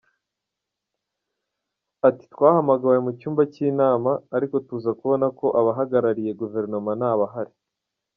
Ati “Twahamagawe mu cyumba cy’inama, ariko tuza kubona ko abahagarariye guverinoma nta bahari.